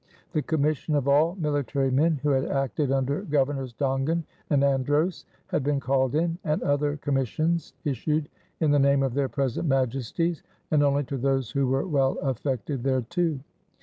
The Commission of all military men who had acted under Governors Dongan and Andros, had been called in, and other Commissions issued in the name of their present Majesties, and only to those who were well affected thereto.